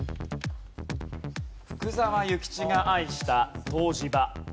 福沢諭吉が愛した湯治場。